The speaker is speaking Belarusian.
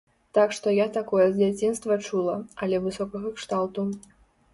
Так што я такое з дзяцінства чула, але высокага кшталту.